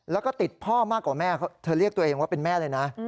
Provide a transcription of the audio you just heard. แล้วก็ติดพ่อมากกว่าแม่เธอเรียกตัวเองว่าเป็นแม่เลยนะ